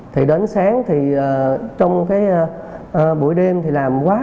thì đến sáng thì trong cái buổi đêm thì làm quá